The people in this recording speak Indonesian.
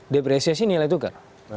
depresiasi nilai tukar